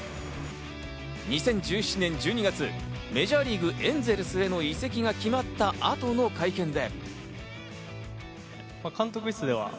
２０１７年１２月、メジャーリーグ・エンゼルスへの移籍が決まった後の会見で。